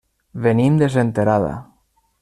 Venim de Senterada.